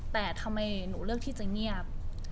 แต่ทำไมหนูเลือกที่จะเงียบ